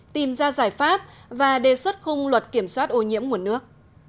tìm ra giải pháp và đề xuất khung luật kiểm soát ô nhiễm nguồn nước